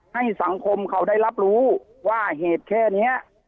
ให้สังคมเขาได้รับรู้ว่าเหตุแค่นี้